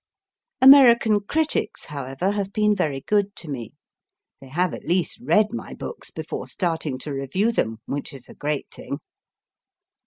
American critics, however, have been very good to me. They have at least read my books before starting to review them, which is a great thing.